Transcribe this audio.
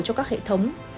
cho các hệ thống